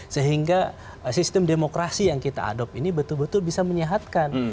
sehingga sistem demokrasi yang kita adop ini betul betul bisa menyehatkan